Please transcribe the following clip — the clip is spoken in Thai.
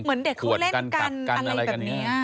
เหมือนเด็กเขาเล่นกันอะไรแบบนี้